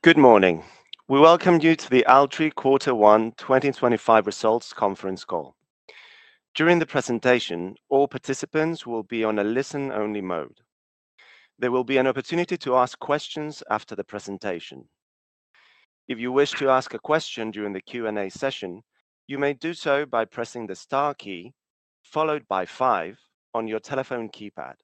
Good morning. We welcome you to the Altri Quarter One 2025 Results Conference call. During the presentation, all participants will be on a listen-only mode. There will be an opportunity to ask questions after the presentation. If you wish to ask a question during the Q&A session, you may do so by pressing the star key followed by 5 on your telephone keypad.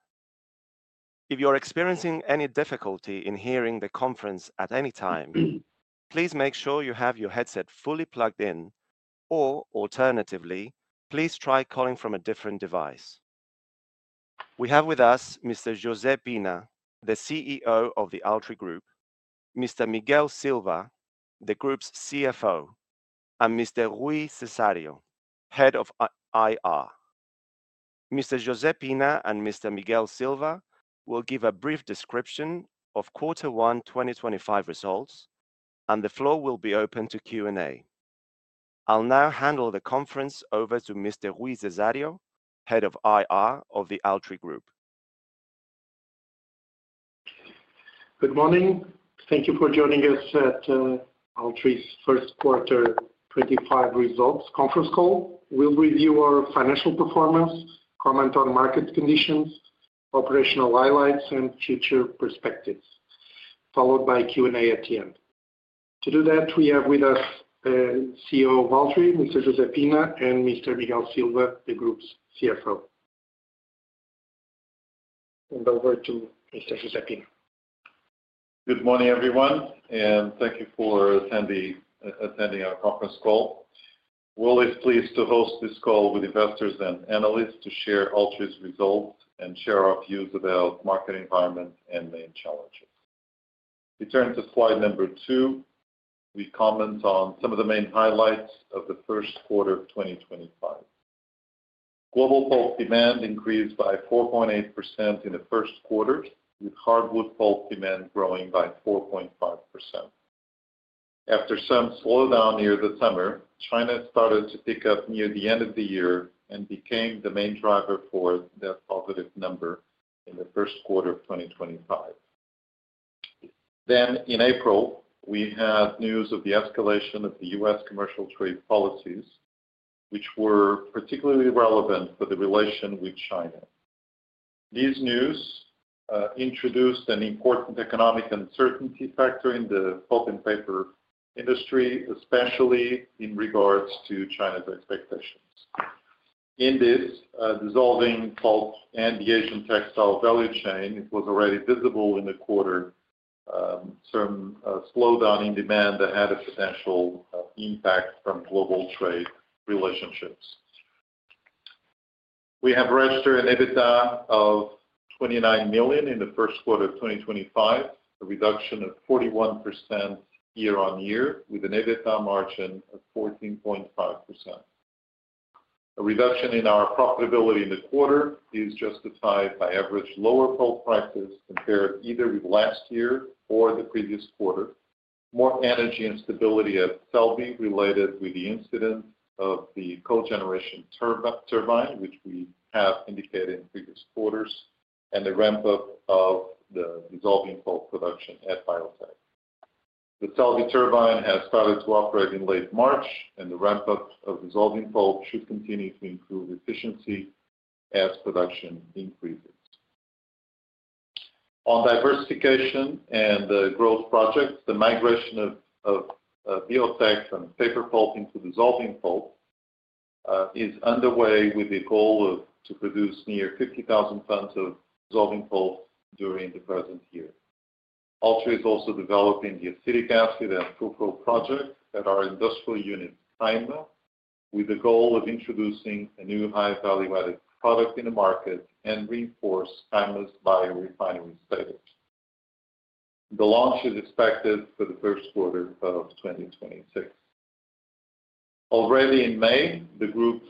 If you're experiencing any difficulty in hearing the conference at any time, please make sure you have your headset fully plugged in, or alternatively, please try calling from a different device. We have with us Mr. José Pina, the CEO of the Altri Group, Mr. Miguel Silva, the Group's CFO, and Mr. Rui Cesario, Head of IR. Mr. José Pina and Mr. Miguel Silva will give a brief description of Quarter One 2025 results, and the floor will be open to Q&A. I'll now handle the conference over to Mr. Rui Cesario, Head of IR of the Altri Group. Good morning. Thank you for joining us at Altri's First Quarter 2025 Results Conference call. We will review our financial performance, comment on market conditions, operational highlights, and future perspectives, followed by Q&A at the end. To do that, we have with us CEO of Altri, Mr. José Pina, and Mr. Miguel Silva, the Group's CFO. Hand over to Mr. José Pina. Good morning, everyone, and thank you for attending our conference call. We're always pleased to host this call with investors and analysts to share Altri's results and share our views about the market environment and main challenges. We turn to Slide number two. We comment on some of the main highlights of the first quarter of 2025. Global pulp demand increased by 4.8% in the first quarter, with hardwood pulp demand growing by 4.5%. After some slowdown near the summer, China started to pick up near the end of the year and became the main driver for that positive number in the first quarter of 2025. In April, we had news of the escalation of the U.S. commercial trade policies, which were particularly relevant for the relation with China. These news introduced an important economic uncertainty factor in the pulp and paper industry, especially in regards to China's expectations. In this, dissolving pulp and the Asian textile value chain was already visible in the quarter, some slowdown in demand that had a potential impact from global trade relationships. We have registered an EBITDA of 29 million in the first quarter of 2025, a reduction of 41% year on year, with an EBITDA margin of 14.5%. A reduction in our profitability in the quarter is justified by average lower pulp prices compared either with last year or the previous quarter, more energy and instability at Selby related with the incident of the cogeneration turbine, which we have indicated in previous quarters, and the ramp-up of the dissolving pulp production at Biotech. The Selby turbine has started to operate in late March, and the ramp-up of dissolving pulp should continue to improve efficiency as production increases. On diversification and the growth projects, the migration of Biotech from paper pulp into dissolving pulp is underway with the goal of producing near 50,000 tons of dissolving pulp during the present year. Altri is also developing the acetic acid and fructose project at our industrial unit, Kaima, with the goal of introducing a new high-value-added product in the market and reinforcing Kaima's bio-refinery status. The launch is expected for the first quarter of 2026. Already in May, the Group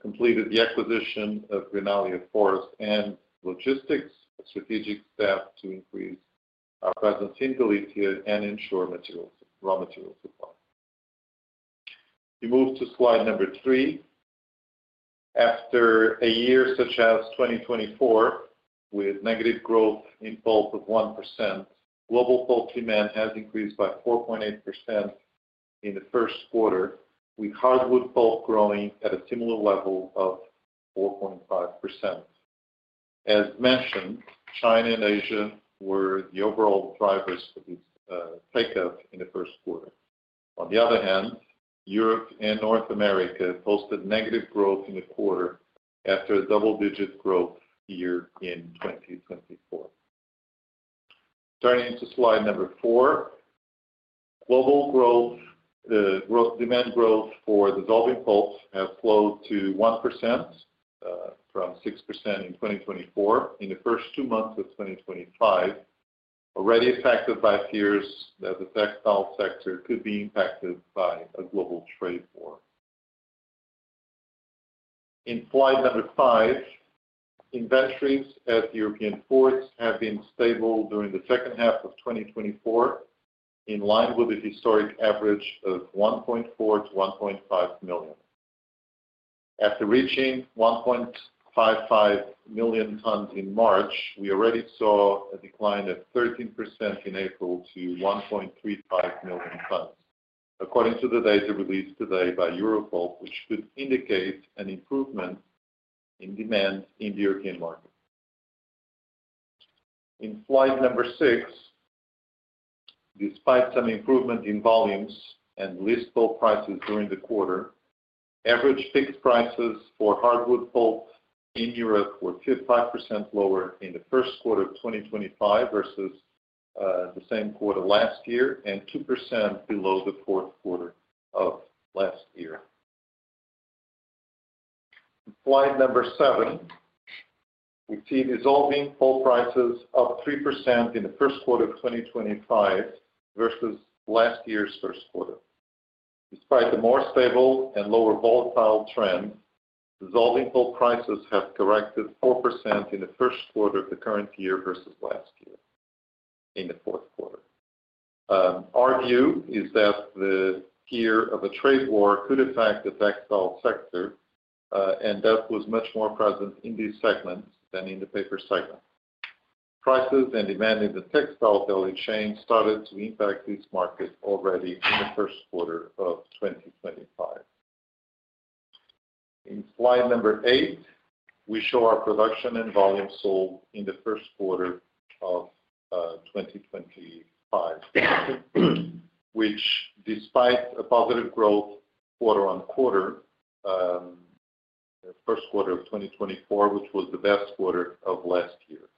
completed the acquisition of Rinalia Forest and Logistics, a strategic step to increase our presence in Galicia and ensure raw material supply. We move to Slide number 3. After a year such as 2024, with negative growth in pulp of 1%, global pulp demand has increased by 4.8% in the first quarter, with hardwood pulp growing at a similar level of 4.5%. As mentioned, China and Asia were the overall drivers for this takeoff in the first quarter. On the other hand, Europe and North America posted negative growth in the quarter after a double-digit growth year in 2024. Turning to Slide number 4, global demand growth for dissolving pulp has slowed to 1% from 6% in 2024 in the first two months of 2025, already affected by fears that the textile sector could be impacted by a global trade war. In Slide number 5, inventories at European ports have been stable during the second half of 2024, in line with the historic average of 1.4-1.5 million. After reaching 1.55 million tons in March, we already saw a decline of 13% in April to 1.35 million tons, according to the data released today by Europol, which could indicate an improvement in demand in the European market. In Slide number 6, despite some improvement in volumes and list bulk prices during the quarter, average fixed prices for hardwood pulp in Europe were 55% lower in the first quarter of 2025 versus the same quarter last year and 2% below the fourth quarter of last year. In Slide number 7, we see dissolving pulp prices up 3% in the first quarter of 2025 versus last year's first quarter. Despite the more stable and lower volatile trend, dissolving pulp prices have corrected 4% in the first quarter of the current year versus last year in the fourth quarter. Our view is that the fear of a trade war could, in fact, affect the textile sector, and that was much more present in this segment than in the paper segment. Prices and demand in the textile value chain started to impact this market already in the first quarter of 2025. In Slide number 8, we show our production and volume sold in the first quarter of 2025, which, despite a positive growth quarter on quarter, the first quarter of 2024, which was the best quarter of last year.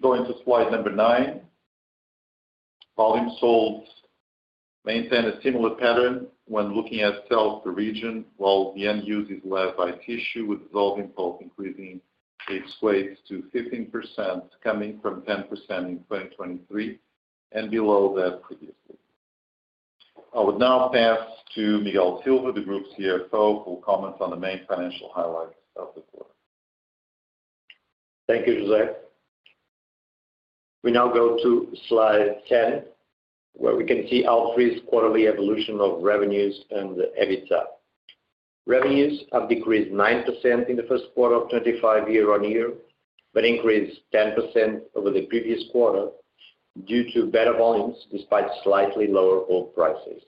Going to Slide number 9, volume sold maintained a similar pattern when looking at sales per region, while the end use is led by tissue, with dissolving pulp increasing its weight to 15%, coming from 10% in 2023 and below that previously. I would now pass to Miguel Silva, the Group's CFO, who will comment on the main financial highlights of the quarter. Thank you, José. We now go to Slide 10, where we can see Altri's quarterly evolution of revenues and the EBITDA. Revenues have decreased 9% in the first quarter of 2025 year-on-year, but increased 10% over the previous quarter due to better volumes despite slightly lower bulk prices.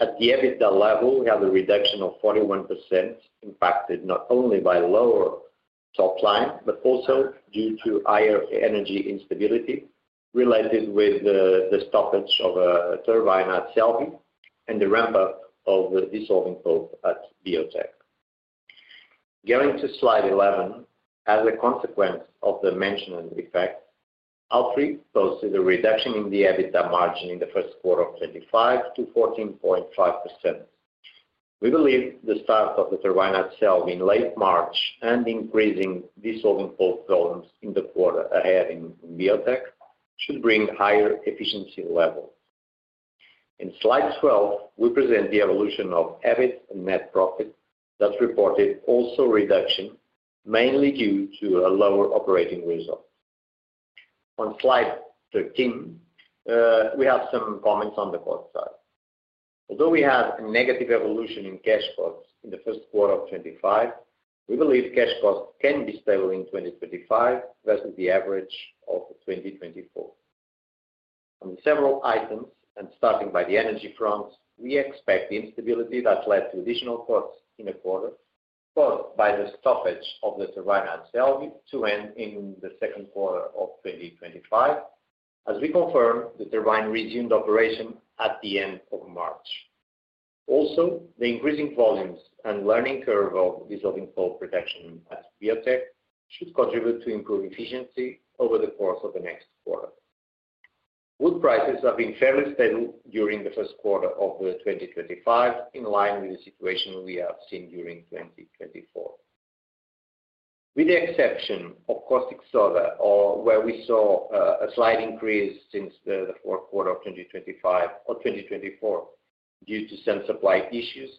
At the EBITDA level, we have a reduction of 41% impacted not only by lower top line, but also due to higher energy instability related with the stoppage of a turbine at Selby and the ramp-up of the dissolving pulp at Biotech. Going to Slide 11, as a consequence of the mentioned effects, Altri posted a reduction in the EBITDA margin in the first quarter of 2025 to 14.5%. We believe the start of the turbine at Selby in late March and increasing dissolving pulp volumes in the quarter ahead in Biotech should bring higher efficiency levels. In Slide 12, we present the evolution of EBIT and net profit that reported also reduction, mainly due to a lower operating result. On Slide 13, we have some comments on the cost side. Although we have a negative evolution in cash costs in the first quarter of 2025, we believe cash costs can be stable in 2025 versus the average of 2024. On several items, and starting by the energy front, we expect the instability that led to additional costs in the quarter, but by the stoppage of the turbine at Selby to end in the second quarter of 2025, as we confirmed the turbine resumed operation at the end of March. Also, the increasing volumes and learning curve of dissolving pulp production at Biotech should contribute to improved efficiency over the course of the next quarter. Wood prices have been fairly stable during the first quarter of 2025, in line with the situation we have seen during 2024. With the exception of caustic soda, where we saw a slight increase since the fourth quarter of 2024 due to some supply issues,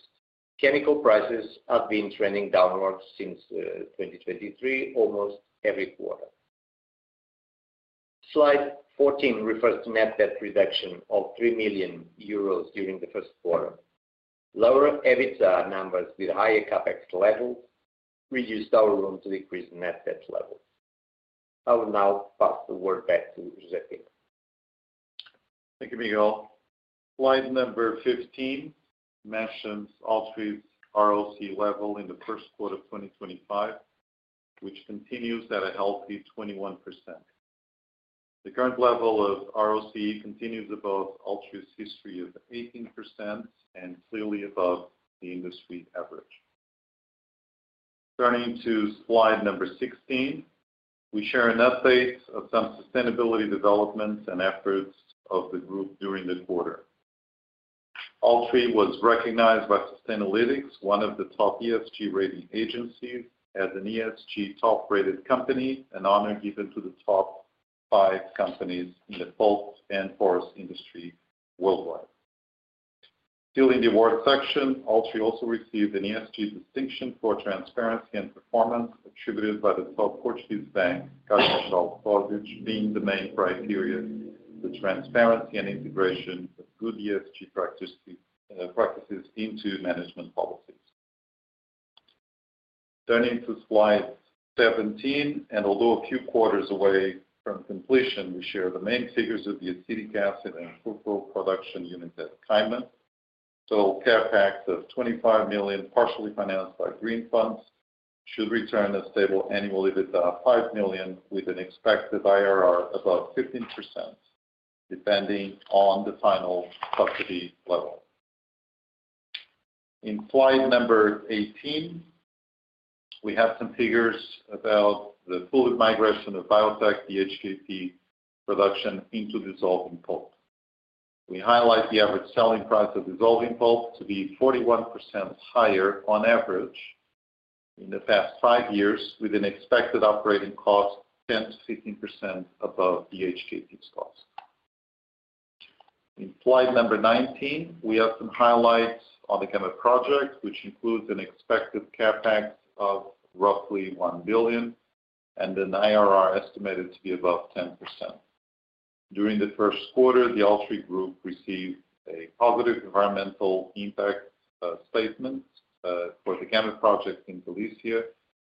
chemical prices have been trending downward since 2023 almost every quarter. Slide 14 refers to net debt reduction of 3 million euros during the first quarter. Lower EBITDA numbers with higher CapEx levels reduced our room to decrease net debt levels. I will now pass the word back to José Pina. Thank you, Miguel. Slide number 15 mentions Altri's ROC level in the first quarter of 2025, which continues at a healthy 21%. The current level of ROC continues above Altri's history of 18% and clearly above the industry average. Turning to Slide number 16, we share an update of some sustainability developments and efforts of the Group during the quarter. Altri was recognized by Sustainalytics, one of the top ESG-rated agencies, as an ESG top-rated company, an honor given to the top five companies in the pulp and forest industry worldwide. During the awards section, Altri also received an ESG distinction for transparency and performance attributed by the top Portuguese bank, Caixa Geral de Depósitos, being the main criteria for transparency and integration of good ESG practices into management policies. Turning to Slide 17, and although a few quarters away from completion, we share the main figures of the acetic acid and fructose production units at Kaima. Total CapEx of 25 million, partially financed by green funds, should return a stable annual EBITDA of 5 million, with an expected IRR above 15%, depending on the final subsidy level. In Slide number 18, we have some figures about the fluid migration of Biotech BHKP production into dissolving pulp. We highlight the average selling price of dissolving pulp to be 41% higher on average in the past five years, with an expected operating cost 10%-15% above BHKP's cost. In Slide number 19, we have some highlights on the GAMA project, which includes an expected CapEx of roughly 1 billion and an IRR estimated to be above 10%. During the first quarter, the Altri Group received a positive environmental impact statement for the GAMA project in Galicia,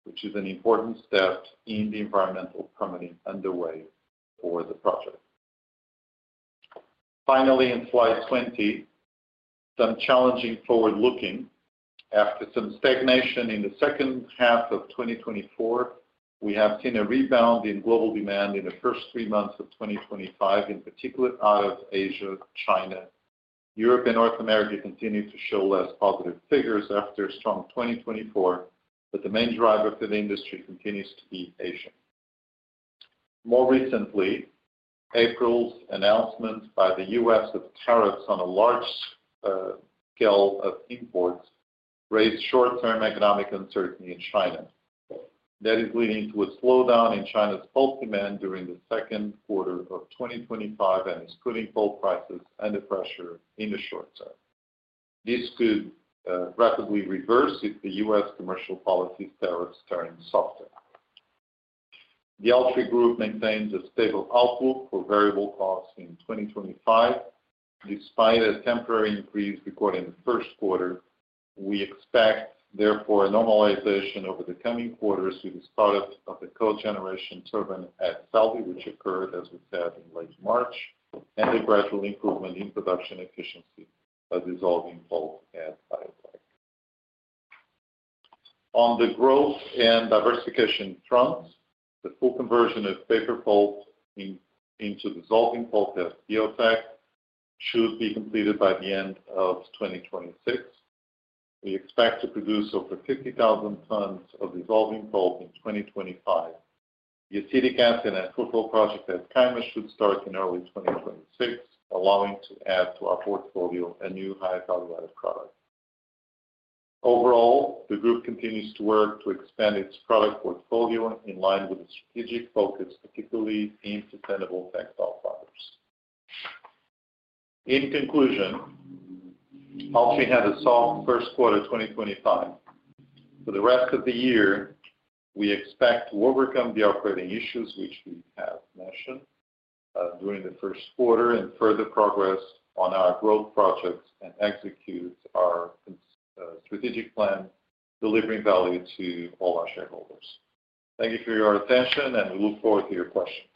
which is an important step in the environmental committee underway for the project. Finally, in Slide 20, some challenging forward-looking. After some stagnation in the second half of 2024, we have seen a rebound in global demand in the first three months of 2025, in particular out of Asia, China. Europe and North America continue to show less positive figures after a strong 2024, but the main driver for the industry continues to be Asia. More recently, April's announcement by the U.S. of tariffs on a large scale of imports raised short-term economic uncertainty in China. That is leading to a slowdown in China's pulp demand during the second quarter of 2025 and is putting pulp prices under pressure in the short term. This could rapidly reverse if the U.S. commercial policy tariffs turn softer. The Altri Group maintains a stable outlook for variable costs in 2025, despite a temporary increase recorded in the first quarter. We expect, therefore, a normalization over the coming quarters with the startup of the cogeneration turbine at Selby, which occurred, as we said, in late March, and a gradual improvement in production efficiency of dissolving pulp at Biotech. On the growth and diversification front, the full conversion of paper pulp into dissolving pulp at Biotech should be completed by the end of 2026. We expect to produce over 50,000 tons of dissolving pulp in 2025. The acetic acid and fructose project at Kaima should start in early 2026, allowing to add to our portfolio a new high-value-added product. Overall, the Group continues to work to expand its product portfolio in line with the strategic focus, particularly in sustainable textile products. In conclusion, Altri had a soft first quarter 2025. For the rest of the year, we expect to overcome the operating issues which we have mentioned during the first quarter and further progress on our growth projects and execute our strategic plan, delivering value to all our shareholders. Thank you for your attention, and we look forward to your questions.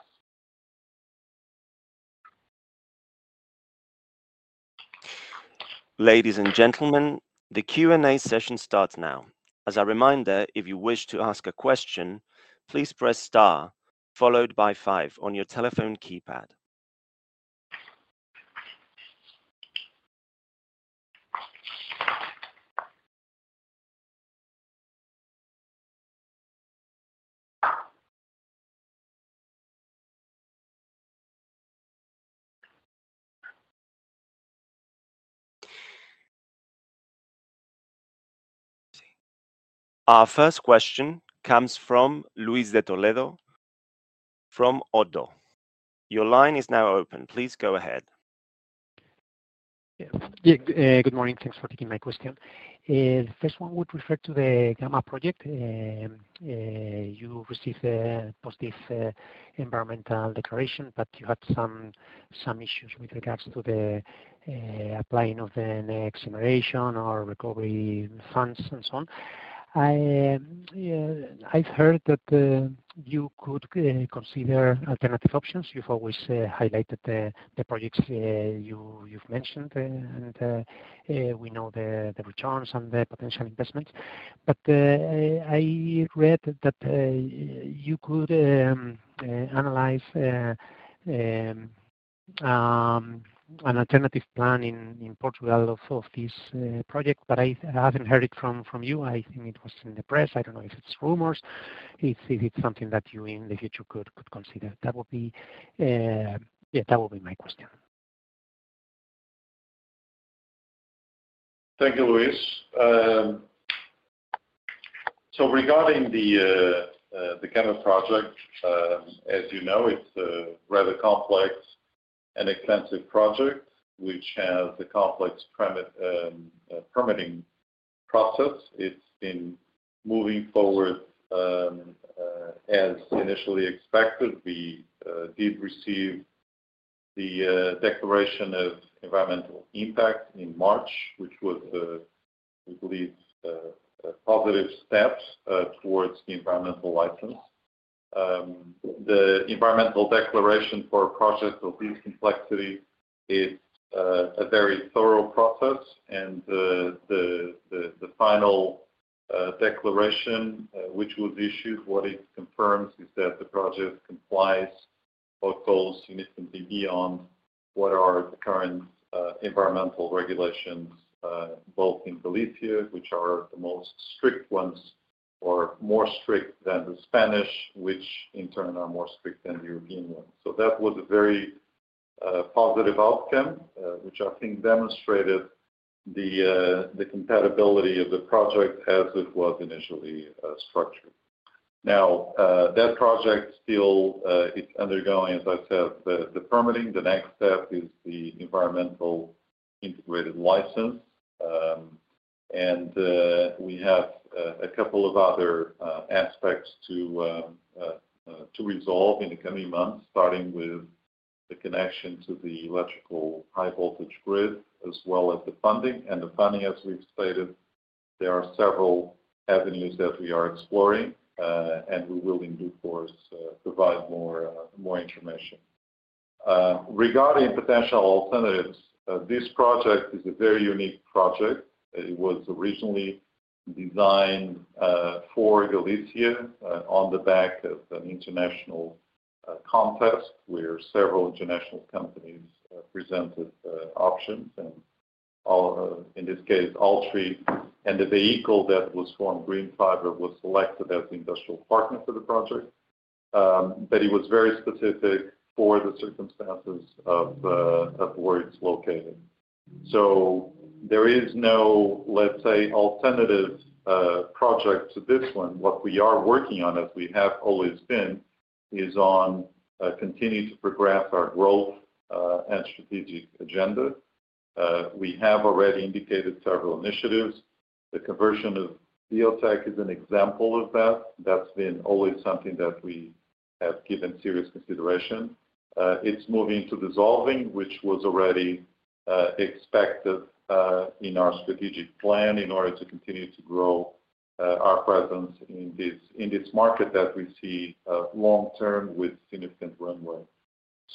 Ladies and gentlemen, the Q&A session starts now. As a reminder, if you wish to ask a question, please press star followed by 5 on your telephone keypad. Our first question comes from Luis de Toledo from Oddo. Your line is now open. Please go ahead. Yeah, good morning. Thanks for taking my question. The first one would refer to the GAMA project. You received a positive environmental declaration, but you had some issues with regards to the applying of the next generation or recovery funds and so on. I've heard that you could consider alternative options. You've always highlighted the projects you've mentioned, and we know the returns and the potential investments. I read that you could analyze an alternative plan in Portugal of this project, but I haven't heard it from you. I think it was in the press. I don't know if it's rumors. It's something that you in the future could consider. That would be, yeah, that would be my question. Thank you, Luis. Regarding the GAMA project, as you know, it's a rather complex and expensive project, which has a complex permitting process. It's been moving forward as initially expected. We did receive the declaration of environmental impact in March, which was, we believe, a positive step towards the environmental license. The environmental declaration for a project of this complexity is a very thorough process, and the final declaration, which was issued, what it confirms is that the project complies or falls significantly beyond what are the current environmental regulations, both in Galicia, which are the most strict ones, or more strict than the Spanish, which in turn are more strict than the European ones. That was a very positive outcome, which I think demonstrated the compatibility of the project as it was initially structured. Now, that project still is undergoing, as I said, the permitting. The next step is the environmental integrated license, and we have a couple of other aspects to resolve in the coming months, starting with the connection to the electrical high voltage grid, as well as the funding. The funding, as we've stated, there are several avenues that we are exploring, and we will, in due course, provide more information. Regarding potential alternatives, this project is a very unique project. It was originally designed for Galicia on the back of an international contest where several international companies presented options, and in this case, Altri. The vehicle that was formed, Green Fiber, was selected as the industrial partner for the project, but it was very specific for the circumstances of where it's located. There is no, let's say, alternative project to this one. What we are working on, as we have always been, is on continuing to progress our growth and strategic agenda. We have already indicated several initiatives. The conversion of Biotech is an example of that. That's been always something that we have given serious consideration. It's moving to dissolving, which was already expected in our strategic plan in order to continue to grow our presence in this market that we see long-term with significant runway.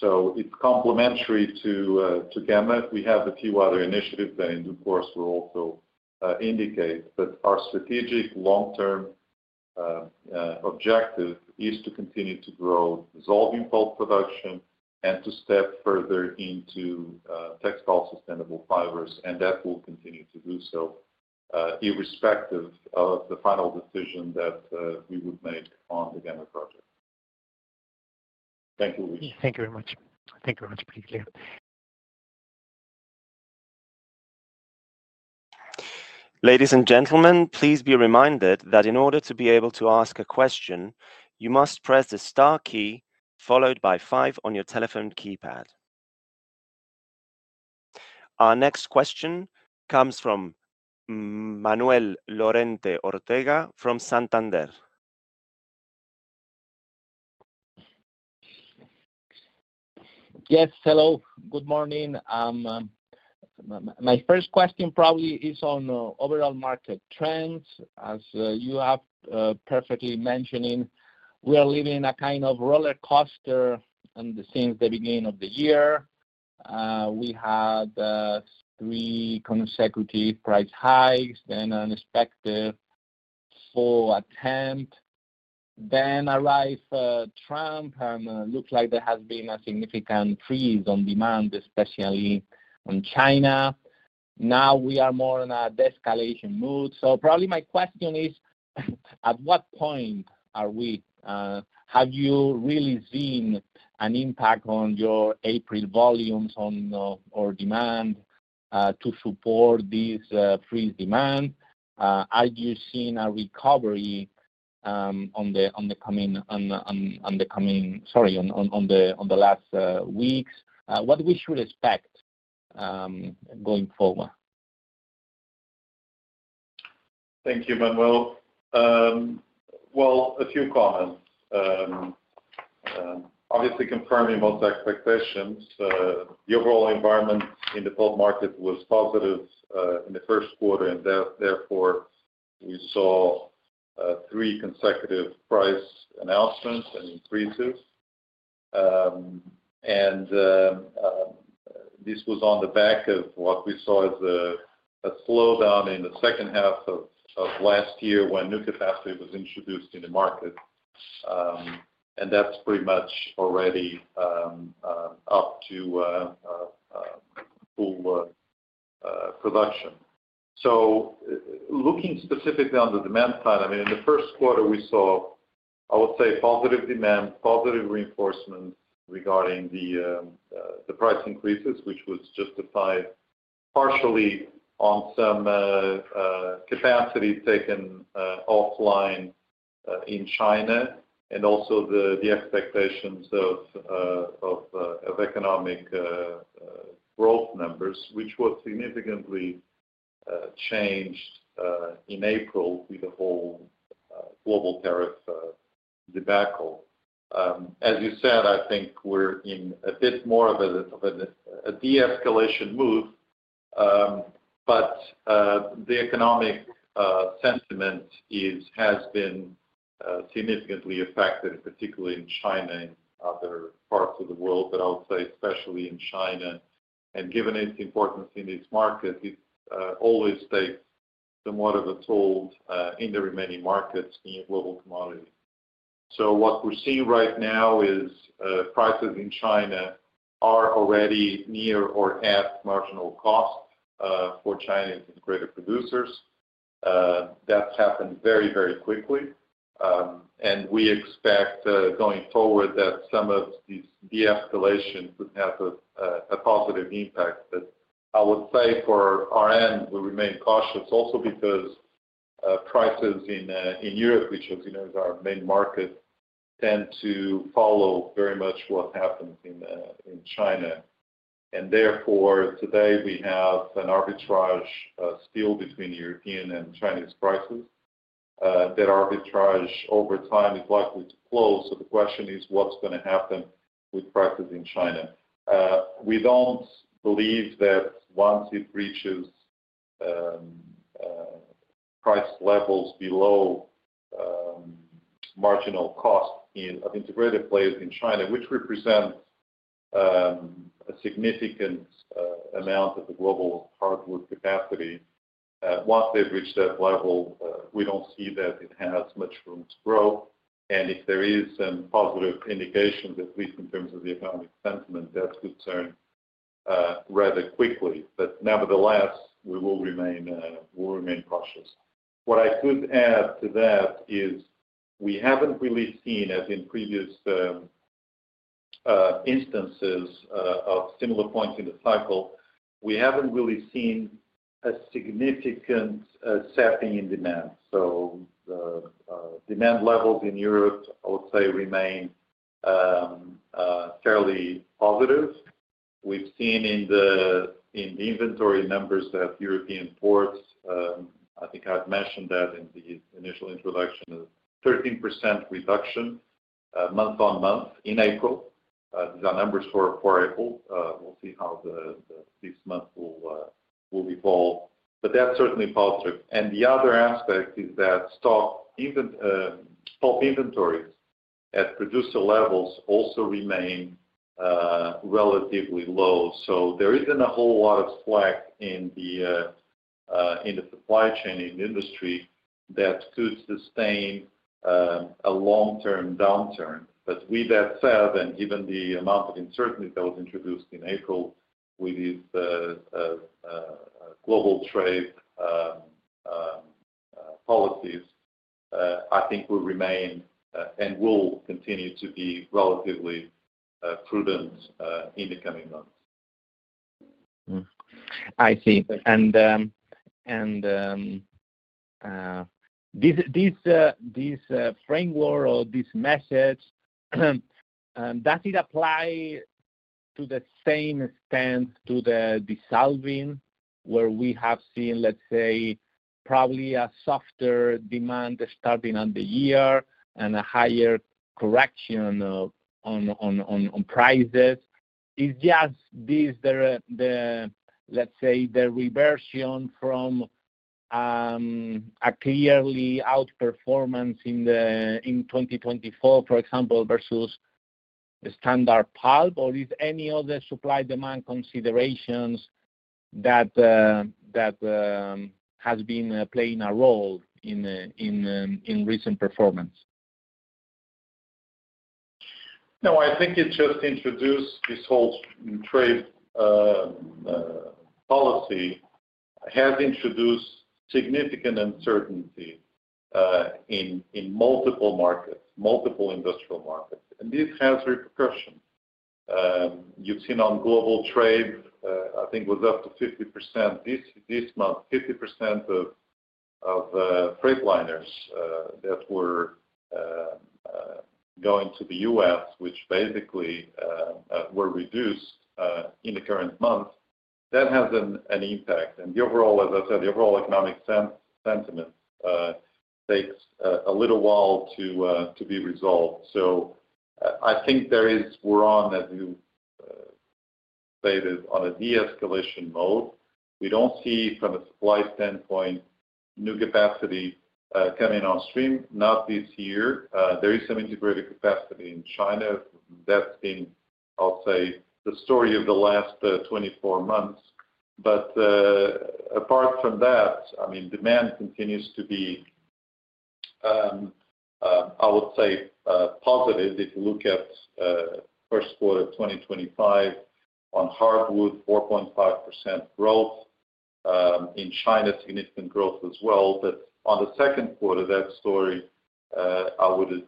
It is complementary to GAMA. We have a few other initiatives that, in due course, we'll also indicate, but our strategic long-term objective is to continue to grow dissolving pulp production and to step further into textile sustainable fibers, and that will continue to do so irrespective of the final decision that we would make on the GAMA project. Thank you, Luis. Thank you very much. Thank you very much, José Pina. Ladies and gentlemen, please be reminded that in order to be able to ask a question, you must press the star key followed by 5 on your telephone keypad. Our next question comes from Manuel Lorente Ortega from Santander. Yes, hello. Good morning. My first question probably is on overall market trends. As you have perfectly mentioned, we are living in a kind of roller coaster since the beginning of the year. We had three consecutive price hikes, then an unexpected fall attempt. Then arrived Trump, and it looks like there has been a significant freeze on demand, especially in China. Now we are more in a de-escalation mood. Probably my question is, at what point are we? Have you really seen an impact on your April volumes or demand to support this freeze demand? Are you seeing a recovery on the coming, sorry, on the last weeks? What should we expect going forward? Thank you, Manuel. A few comments. Obviously, confirming most expectations, the overall environment in the pulp market was positive in the first quarter, and therefore we saw three consecutive price announcements and increases. This was on the back of what we saw as a slowdown in the second half of last year when new capacity was introduced in the market, and that is pretty much already up to full production. Looking specifically on the demand side, I mean, in the first quarter, we saw, I would say, positive demand, positive reinforcements regarding the price increases, which was justified partially on some capacity taken offline in China and also the expectations of economic growth numbers, which were significantly changed in April with the whole global tariff debacle. As you said, I think we're in a bit more of a de-escalation move, but the economic sentiment has been significantly affected, particularly in China and other parts of the world, but I would say especially in China. Given its importance in this market, it always takes somewhat of a toll in the remaining markets in global commodity. What we're seeing right now is prices in China are already near or at marginal cost for Chinese integrated producers. That's happened very, very quickly, and we expect going forward that some of these de-escalations would have a positive impact. I would say for our end, we remain cautious also because prices in Europe, which is our main market, tend to follow very much what happens in China. Therefore, today, we have an arbitrage still between European and Chinese prices. That arbitrage over time is likely to flow. The question is, what's going to happen with prices in China? We don't believe that once it reaches price levels below marginal cost of integrated players in China, which represents a significant amount of the global hardwood capacity, once they've reached that level, we don't see that it has much room to grow. If there is some positive indication, at least in terms of the economic sentiment, that could turn rather quickly. Nevertheless, we will remain cautious. What I could add to that is we haven't really seen, as in previous instances of similar points in the cycle, we haven't really seen a significant stepping in demand. Demand levels in Europe, I would say, remain fairly positive. We've seen in the inventory numbers that European ports, I think I mentioned that in the initial introduction, a 13% reduction month on month in April. These are numbers for April. We will see how this month will evolve. That is certainly positive. The other aspect is that pulp inventories at producer levels also remain relatively low. There is not a whole lot of slack in the supply chain in the industry that could sustain a long-term downturn. With that said, and given the amount of uncertainty that was introduced in April with these global trade policies, I think we remain and will continue to be relatively prudent in the coming months. I see. This framework or this message, does it apply to the same stance to the dissolving where we have seen, let's say, probably a softer demand starting on the year and a higher correction on prices? Is this just, let's say, the reversion from a clearly outperformance in 2024, for example, versus standard pulp, or is there any other supply-demand considerations that have been playing a role in recent performance? No, I think it just introduced this whole trade policy has introduced significant uncertainty in multiple markets, multiple industrial markets, and this has repercussions. You have seen on global trade, I think it was up to 50% this month, 50% of freight liners that were going to the U.S., which basically were reduced in the current month. That has an impact. The overall, as I said, the overall economic sentiment takes a little while to be resolved. I think we are on, as you stated, on a de-escalation mode. We do not see, from a supply standpoint, new capacity coming on stream, not this year. There is some integrated capacity in China. That has been, I will say, the story of the last 24 months. Apart from that, I mean, demand continues to be, I would say, positive if you look at first quarter 2025 on hardwood, 4.5% growth in China, significant growth as well. On the second quarter, that story, I would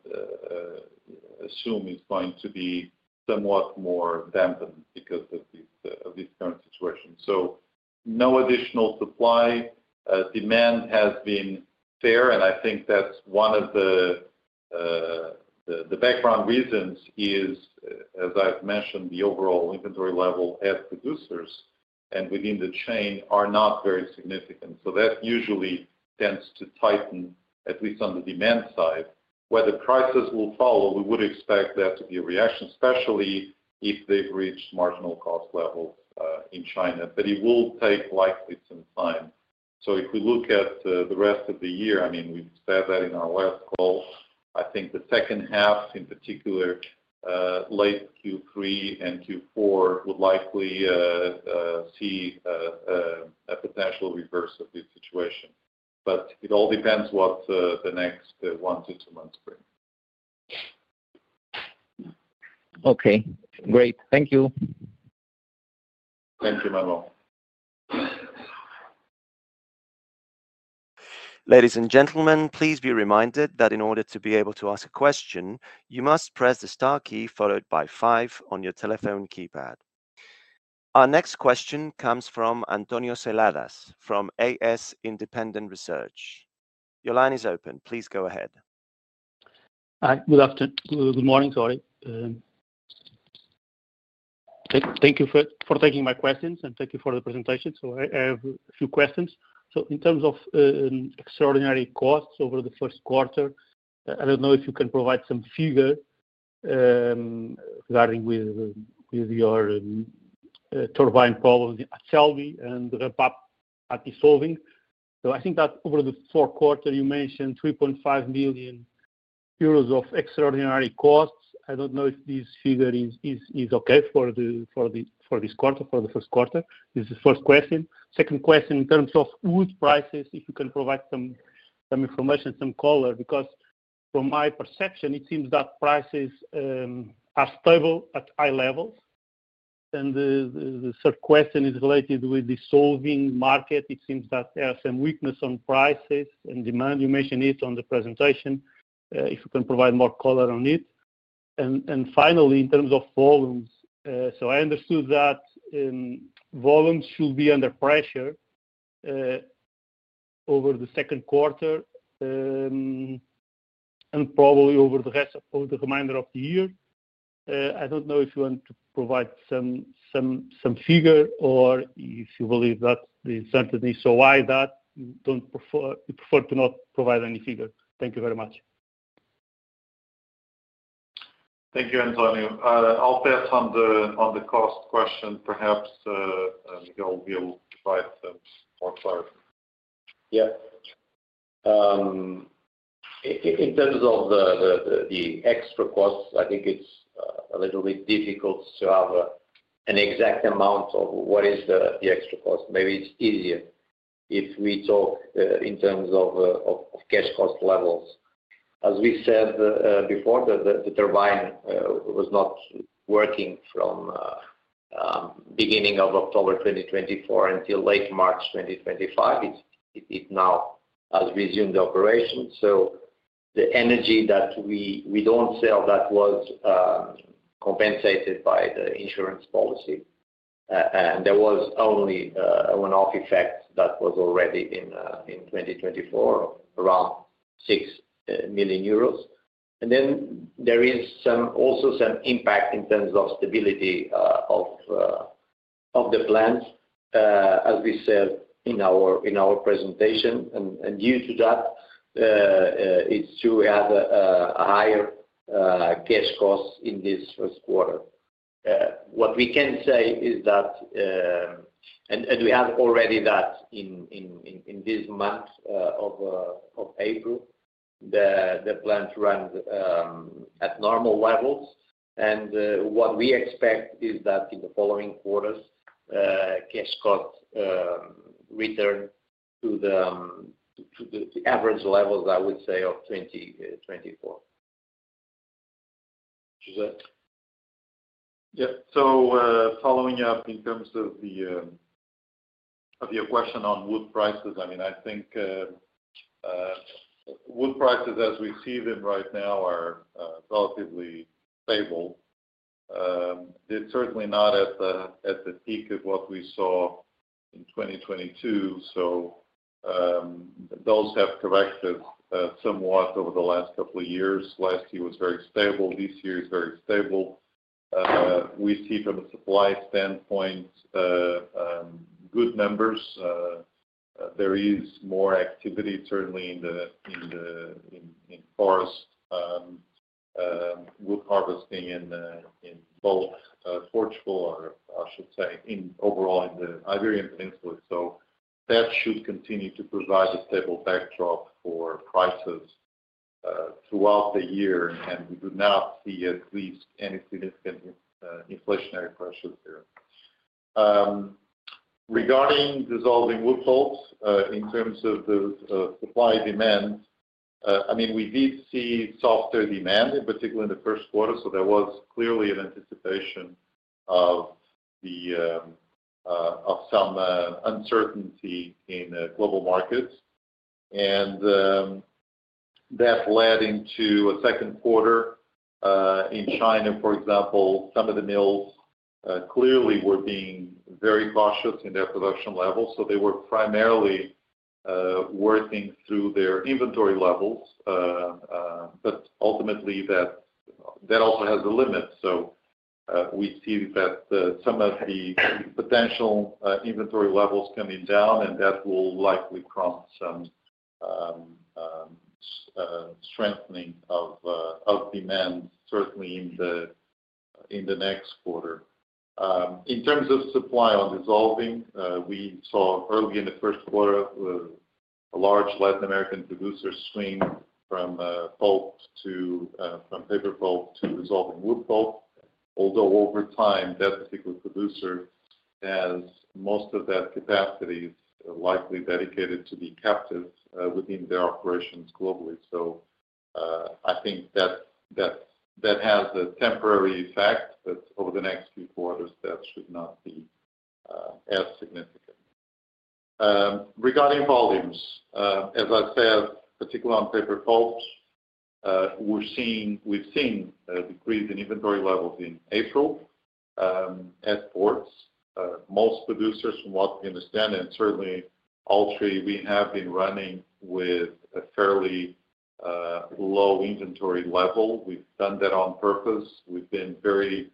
assume, is going to be somewhat more dampened because of this current situation. No additional supply. Demand has been fair, and I think that's one of the background reasons is, as I've mentioned, the overall inventory level at producers and within the chain are not very significant. That usually tends to tighten, at least on the demand side. Whether prices will follow, we would expect that to be a reaction, especially if they've reached marginal cost levels in China. It will take likely some time. If we look at the rest of the year, I mean, we've said that in our last call, I think the second half, in particular, late Q3 and Q4, would likely see a potential reverse of this situation. But it all depends what the next one to two months bring. Okay. Great. Thank you. Thank you, Manuel. Ladies and gentlemen, please be reminded that in order to be able to ask a question, you must press the star key followed by five on your telephone keypad. Our next question comes from Antonio Seladas from AS Independent Research. Your line is open. Please go ahead. Good morning, sorry. Thank you for taking my questions, and thank you for the presentation. I have a few questions. In terms of extraordinary costs over the first quarter, I do not know if you can provide some figure regarding your turbine problems at Selby and the rev up at dissolving. I think that over the fourth quarter, you mentioned 3.5 million euros of extraordinary costs. I do not know if this figure is okay for this quarter, for the first quarter. This is the first question. Second question, in terms of wood prices, if you can provide some information, some color, because from my perception, it seems that prices are stable at high levels. The third question is related with the dissolving market. It seems that there is some weakness on prices and demand. You mentioned it in the presentation. If you can provide more color on it. Finally, in terms of volumes, I understood that volumes should be under pressure over the second quarter and probably over the remainder of the year. I do not know if you want to provide some figure or if you believe that the uncertainty is so high that you prefer to not provide any figure. Thank you very much. Thank you, Antonio. I'll bet on the cost question. Perhaps Miguel will provide some more clarity. Yeah. In terms of the extra costs, I think it's a little bit difficult to have an exact amount of what is the extra cost. Maybe it's easier if we talk in terms of cash cost levels. As we said before, the turbine was not working from the beginning of October 2024 until late March 2025. It now has resumed operation. The energy that we do not sell was compensated by the insurance policy. There was only an off-effect that was already in 2024, around 6 million euros. There is also some impact in terms of stability of the plant, as we said in our presentation. Due to that, it's true we had a higher cash cost in this first quarter. What we can say is that, and we have already that in this month of April, the plant ran at normal levels. What we expect is that in the following quarters, cash cost return to the average levels, I would say, of 2024. Yeah. Following up in terms of your question on wood prices, I mean, I think wood prices, as we see them right now, are relatively stable. They are certainly not at the peak of what we saw in 2022. Those have corrected somewhat over the last couple of years. Last year was very stable. This year is very stable. We see, from a supply standpoint, good numbers. There is more activity, certainly, in the forest wood harvesting in both Portugal, or I should say, overall in the Iberian Peninsula. That should continue to provide a stable backdrop for prices throughout the year. We do not see at least any significant inflationary pressures here. Regarding dissolving wood pulps, in terms of the supply demand, I mean, we did see softer demand, particularly in the first quarter. There was clearly an anticipation of some uncertainty in global markets. That led into a second quarter in China. For example, some of the mills clearly were being very cautious in their production levels. They were primarily working through their inventory levels. Ultimately, that also has a limit. We see that some of the potential inventory levels are coming down, and that will likely prompt some strengthening of demand, certainly in the next quarter. In terms of supply on dissolving, we saw early in the first quarter a large Latin American producer swing from pulp to paper pulp to dissolving wood pulp. Although over time, that particular producer has most of that capacity likely dedicated to be captive within their operations globally. I think that has a temporary effect, but over the next few quarters, that should not be as significant. Regarding volumes, as I said, particularly on paper pulp, we have seen a decrease in inventory levels in April at ports. Most producers, from what we understand, and certainly Altri, we have been running with a fairly low inventory level. We have done that on purpose. We have been very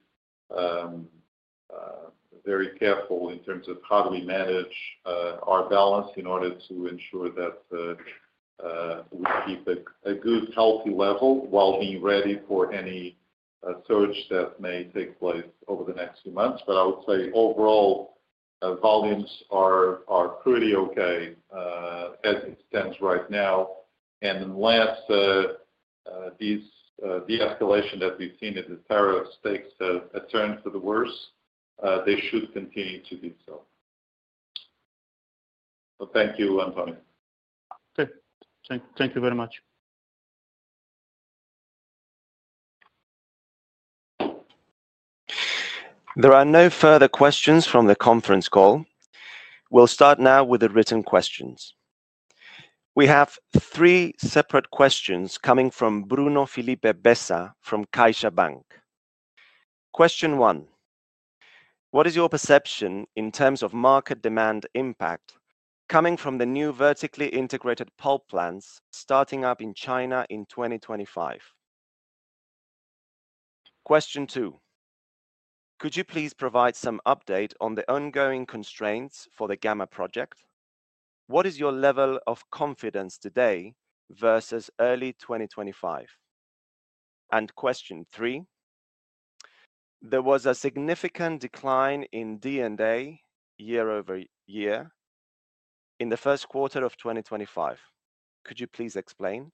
careful in terms of how we manage our balance in order to ensure that we keep a good, healthy level while being ready for any surge that may take place over the next few months. I would say, overall, volumes are pretty okay as it stands right now. Unless this de-escalation that we've seen in the tariffs takes a turn for the worse, they should continue to do so. Thank you, Antonio. Okay. Thank you very much. There are no further questions from the conference call. We'll start now with the written questions. We have three separate questions coming from Bruno Felipe Bessa from Caixa Geral de Depósitos. Question one, what is your perception in terms of market demand impact coming from the new vertically integrated pulp plants starting up in China in 2025? Question two, could you please provide some update on the ongoing constraints for the GAMA project? What is your level of confidence today versus early 2025? And question three, there was a significant decline in D&A year over year in the first quarter of 2025. Could you please explain?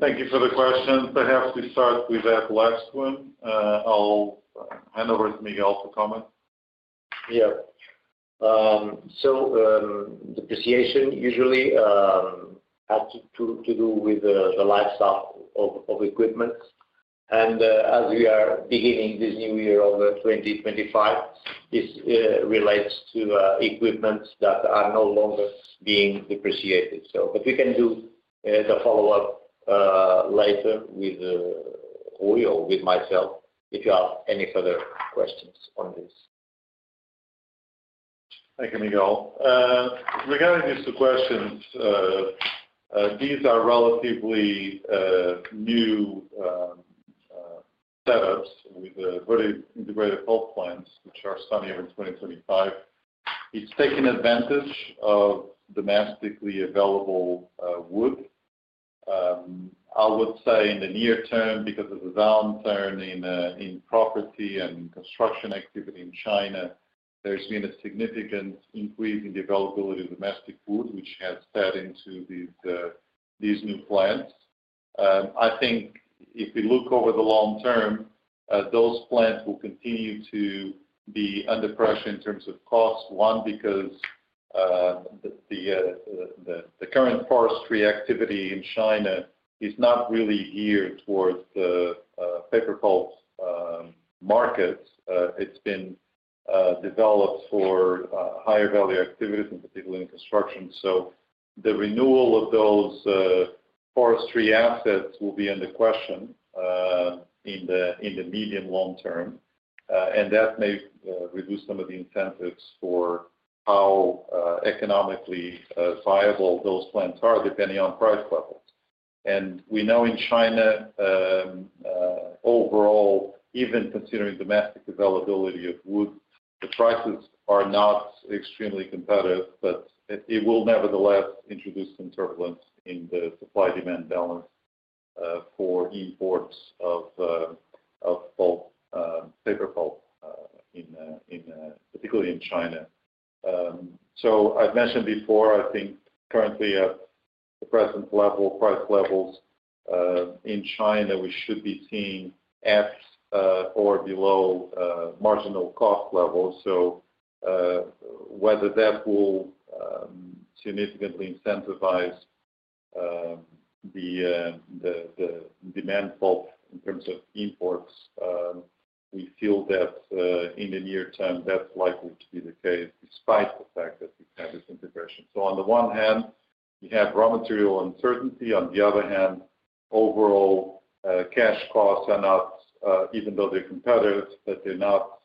Thank you for the question. Perhaps we start with that last one. I'll hand over to Miguel for comment. Yeah. Depreciation usually had to do with the lifecycle of equipment. As we are beginning this new year of 2025, this relates to equipment that are no longer being depreciated. We can do the follow-up later with Rui or with myself if you have any further questions on this. Thank you, Miguel. Regarding these two questions, these are relatively new setups with very integrated pulp plants which are starting in 2025. It is taking advantage of domestically available wood. I would say in the near term, because of the downturn in property and construction activity in China, there has been a significant increase in the availability of domestic wood, which has fed into these new plants. I think if we look over the long term, those plants will continue to be under pressure in terms of cost, one, because the current forestry activity in China is not really geared towards the paper pulp market. It has been developed for higher value activities, and particularly in construction. The renewal of those forestry assets will be under question in the medium-long term. That may reduce some of the incentives for how economically viable those plants are, depending on price levels. We know in China, overall, even considering domestic availability of wood, the prices are not extremely competitive. It will nevertheless introduce some turbulence in the supply-demand balance for imports of paper pulp, particularly in China. I have mentioned before, I think currently at the present price levels in China, we should be seeing at or below marginal cost levels. Whether that will significantly incentivize the demand pulp in terms of imports, we feel that in the near term, that is likely to be the case, despite the fact that we have had this integration. On the one hand, we have raw material uncertainty. On the other hand, overall, cash costs are not, even though they are competitive, but they are not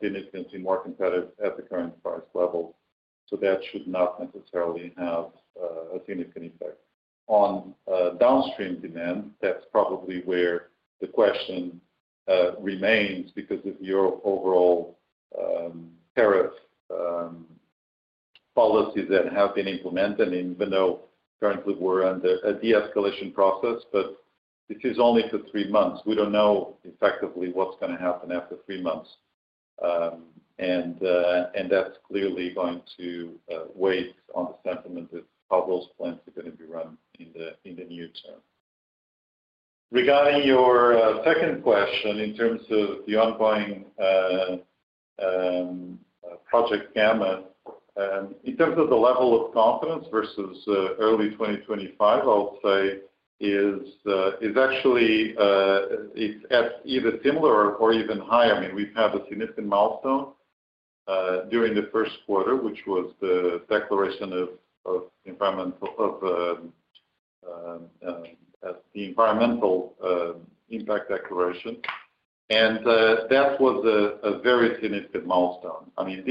significantly more competitive at the current price level. That should not necessarily have a significant effect on downstream demand. That's probably where the question remains, because of your overall tariff policies that have been implemented. Even though currently, we're under a de-escalation process, this is only for three months. We don't know effectively what's going to happen after three months. That's clearly going to weigh on the sentiment of how those plants are going to be run in the near term. Regarding your second question in terms of the ongoing project GAMA, in terms of the level of confidence versus early 2025, I'll say is actually it's at either similar or even higher. I mean, we've had a significant milestone during the first quarter, which was the declaration of the environmental impact declaration. That was a very significant milestone. I mean,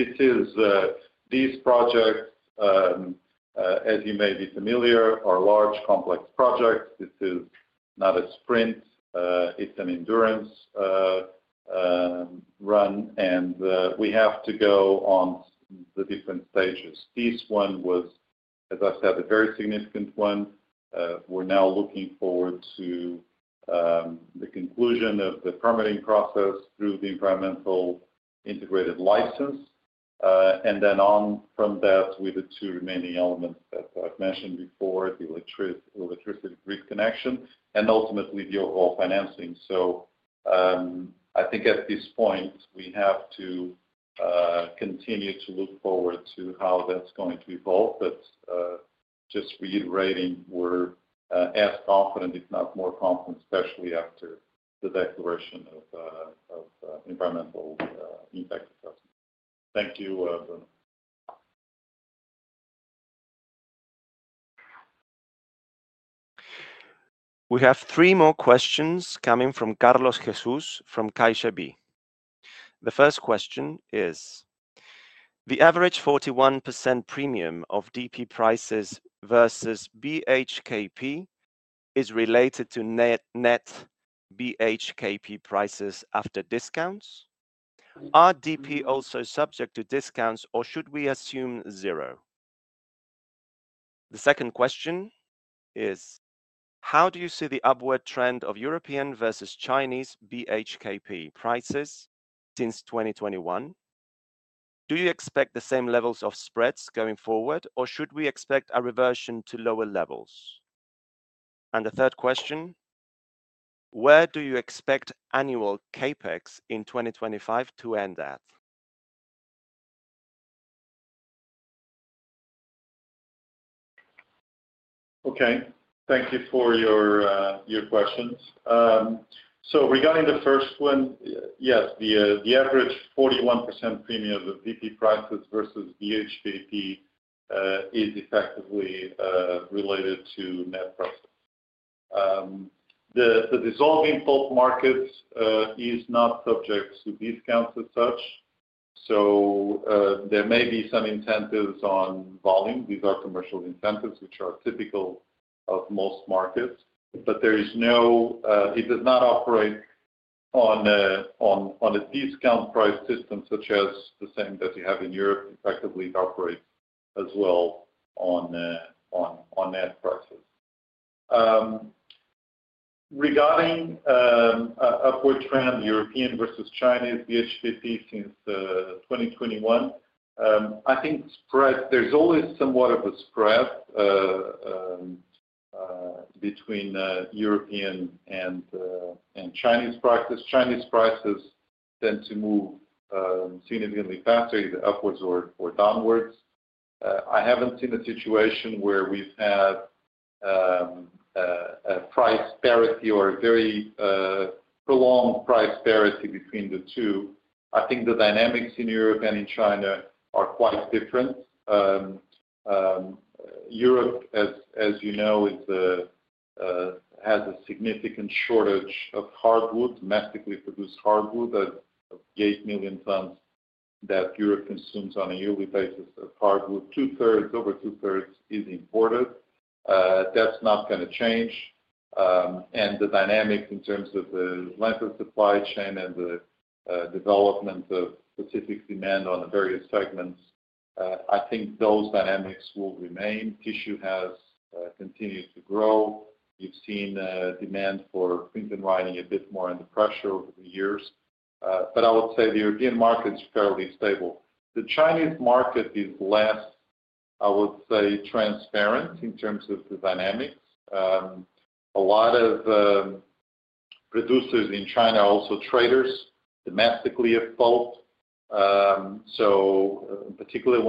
these projects, as you may be familiar, are large, complex projects. This is not a sprint. It's an endurance run. We have to go on the different stages. This one was, as I said, a very significant one. We are now looking forward to the conclusion of the permitting process through the environmental integrated license. From that, with the two remaining elements that I have mentioned before, the electricity grid connection and ultimately the overall financing. I think at this point, we have to continue to look forward to how that is going to evolve. Just reiterating, we are as confident, if not more confident, especially after the declaration of environmental impact assessment. Thank you, Bruno. We have three more questions coming from Carlos Jesus from Caixa Geral de Depósitos. The first question is, the average 41% premium of DP prices versus BHKP is related to net BHKP prices after discounts. Are DP also subject to discounts, or should we assume zero? The second question is, how do you see the upward trend of European versus Chinese BHKP prices since 2021? Do you expect the same levels of spreads going forward, or should we expect a reversion to lower levels? The third question, where do you expect annual CapEx in 2025 to end at? Okay. Thank you for your questions. Regarding the first one, yes, the average 41% premium of DP prices versus BHKP is effectively related to net profit. The dissolving pulp market is not subject to discounts as such. There may be some incentives on volume. These are commercial incentives, which are typical of most markets. It does not operate on a discount price system such as the same that you have in Europe. Effectively, it operates as well on net prices. Regarding upward trend, European versus Chinese BHKP since 2021, I think there's always somewhat of a spread between European and Chinese prices. Chinese prices tend to move significantly faster, either upwards or downwards. I haven't seen a situation where we've had a price parity or a very prolonged price parity between the two. I think the dynamics in Europe and in China are quite different. Europe, as you know, has a significant shortage of hardwood, domestically produced hardwood, of 8 million tons that Europe consumes on a yearly basis of hardwood. Two-thirds, over two-thirds, is imported. That's not going to change. The dynamics in terms of the length of supply chain and the development of specific demand on the various segments, I think those dynamics will remain. Tissue has continued to grow. You've seen demand for print and writing a bit more under pressure over the years. I would say the European market is fairly stable. The Chinese market is less, I would say, transparent in terms of the dynamics. A lot of producers in China, also traders, domestically of pulp. Particularly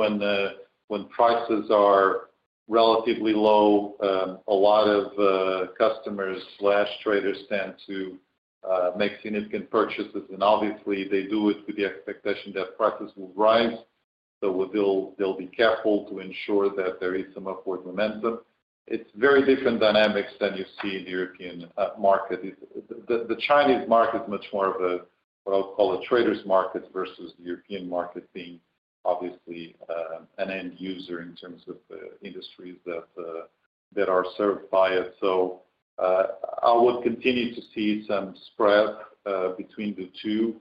when prices are relatively low, a lot of customers/traders tend to make significant purchases. Obviously, they do it with the expectation that prices will rise. They'll be careful to ensure that there is some upward momentum. It is very different dynamics than you see in the European market. The Chinese market is much more of a, what I would call, a trader's market versus the European market being obviously an end user in terms of the industries that are served by it. I would continue to see some spread between the two.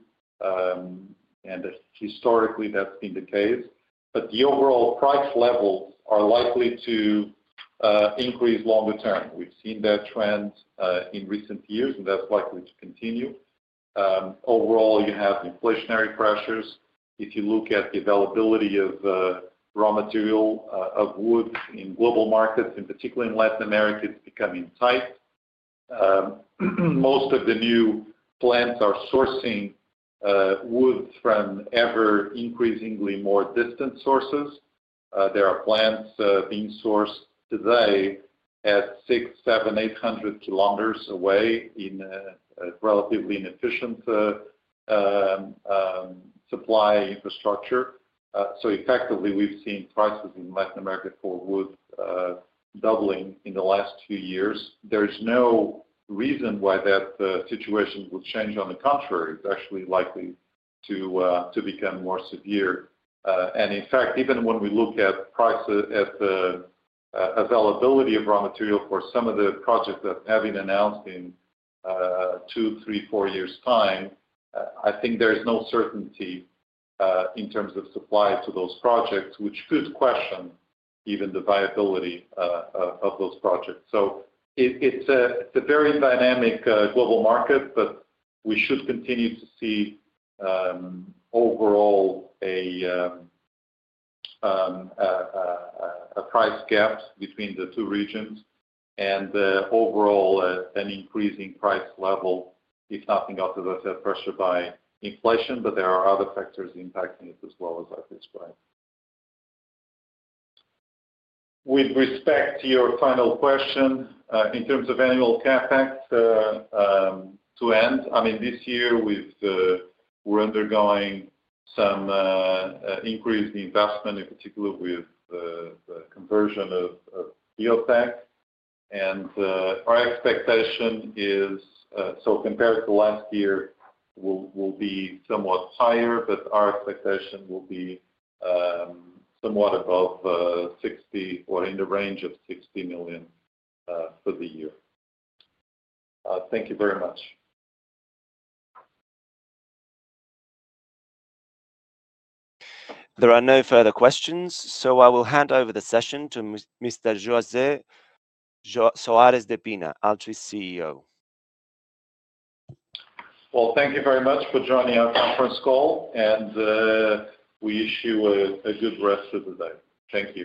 Historically, that has been the case. The overall price levels are likely to increase longer term. We've seen that trend in recent years, and that's likely to continue. Overall, you have inflationary pressures. If you look at the availability of raw material of wood in global markets, and particularly in Latin America, it's becoming tight. Most of the new plants are sourcing wood from ever-increasingly more distant sources. There are plants being sourced today at 600, 700, 800 kilometers away in a relatively inefficient supply infrastructure. Effectively, we've seen prices in Latin America for wood doubling in the last few years. There is no reason why that situation will change. On the contrary, it's actually likely to become more severe. In fact, even when we look at prices, at the availability of raw material for some of the projects that have been announced in two, three, four years' time, I think there's no certainty in terms of supply to those projects, which could question even the viability of those projects. It is a very dynamic global market, but we should continue to see overall a price gap between the two regions and overall an increasing price level, if nothing else, as I said, pressured by inflation. There are other factors impacting it as well, as I've described. With respect to your final question, in terms of annual CapEx to end, I mean, this year, we're undergoing some increased investment, in particular with the conversion of Biotech. Our expectation is, compared to last year, it will be somewhat higher, but our expectation will be somewhat above 60 million or in the range of 60 million for the year. Thank you very much. There are no further questions. I will hand over the session to Mr. José Soares de Pina, Altri's CEO. Thank you very much for joining our conference call. We wish you a good rest of the day. Thank you.